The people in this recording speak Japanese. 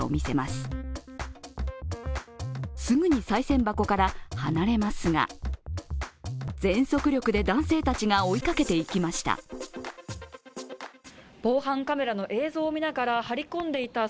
すぐにさい銭箱から離れますが全速力で男性たちが追いかけていきました。